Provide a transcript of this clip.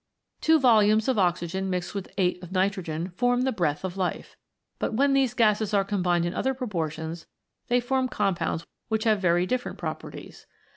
Two volumes of oxygen mixed with eight of nitrogen form " the breath of life," but when these gases are combined in other proportions they form compounds which have very different pro perties.